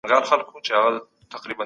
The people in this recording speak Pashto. شراب په غمونو کي د تسل لپاره کارول کیږي.